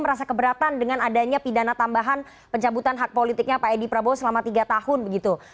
merasa keberatan dengan adanya pidana tambahan pencabutan hak politiknya pak edi prabowo selama tiga tahun begitu